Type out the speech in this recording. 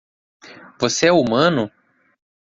você é humano?